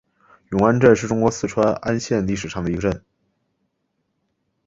永安镇是中国四川安县历史上的一个镇。